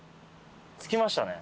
着きましたね。